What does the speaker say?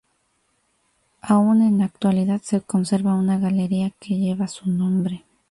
Aún en la actualidad se conserva una galería que lleva su nombre.